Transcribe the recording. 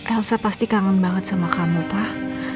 elsa pasti kangen banget sama kamu pak